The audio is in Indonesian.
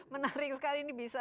menarik sekali ini bisa